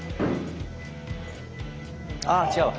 あ違うわ。